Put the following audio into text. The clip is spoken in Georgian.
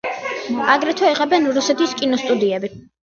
აგრეთვე იღებენ რუსეთის კინოსტუდიები.